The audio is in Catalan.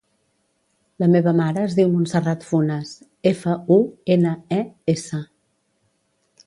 La meva mare es diu Montserrat Funes: efa, u, ena, e, essa.